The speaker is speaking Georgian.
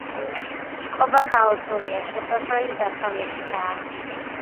წყობა ქაოსურია შესასვლელი დასავლეთითაა.